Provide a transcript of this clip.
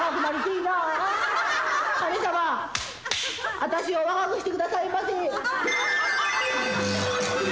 あたしを若くしてくださいませ。